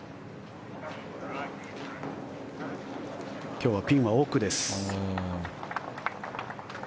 今日はピンは奥です。